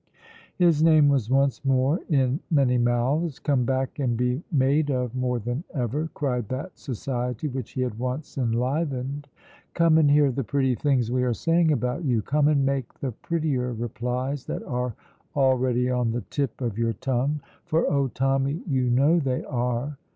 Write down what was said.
His name was once more in many mouths. "Come back and be made of more than ever!" cried that society which he had once enlivened. "Come and hear the pretty things we are saying about you. Come and make the prettier replies that are already on the tip of your tongue; for oh, Tommy, you know they are!